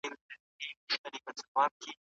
پانګوال باید په هیواد کي دننه پاته سي.